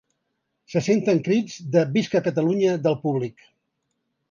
Se senten crits de ‘Visca Catalunya’ del públic.